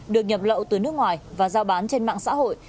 được nhập lậu từ nước ngoài và giao bán trên mạng xã hội